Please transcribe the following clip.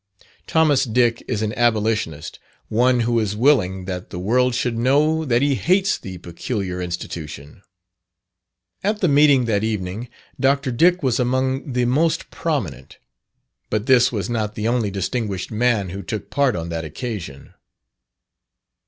Thomas Dick is an abolitionist one who is willing that the world should know that he hates the "peculiar institution." At the meeting that evening, Dr. Dick was among the most prominent. But this was not the only distinguished man who took part on that occasion.